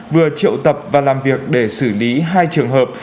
vừa triệu tập và làm việc để xử lý hai trường hợp